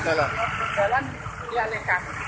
jalan di alekan